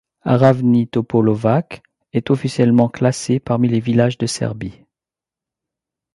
Ravni Topolovac est officiellement classé parmi les villages de Serbie.